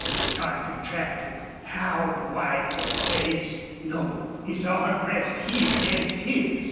His heart contracted. How white the face! No; he saw her breast heave against his!